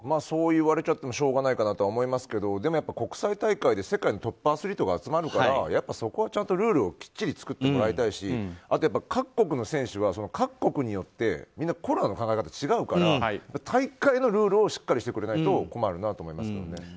そう言われちゃってもしょうがないかなと思いますけど国際大会で世界のトップアスリートが集まるからそこはちゃんとルールをきっちり作ってもらいたいしあと、各国の選手は各国によってコロナの考え方が違うから大会のルールをしっかりしてくれないと困るなと思いますね。